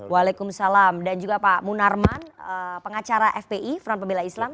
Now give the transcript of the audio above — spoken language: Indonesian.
waalaikumsalam dan juga pak munarman pengacara fpi front pembela islam